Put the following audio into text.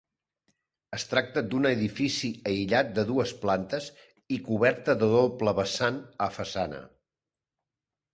Es tracta d'un edifici aïllat de dues plantes i coberta de doble vessant a façana.